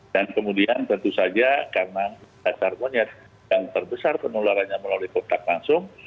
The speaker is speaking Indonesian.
dan kemudian tentu saja karena cacar monyet yang terbesar penularannya melalui kontak langsung